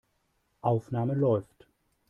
Aufnahme läuft.